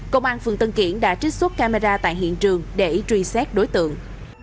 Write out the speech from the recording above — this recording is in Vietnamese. công an phường tân kiển đã trích xuất camera tại hiện trường để truy xét đối tượng